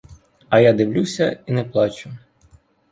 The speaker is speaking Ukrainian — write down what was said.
А я дивлюся і не плачу.